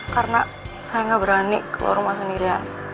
karena saya gak berani keluar rumah sendiri ya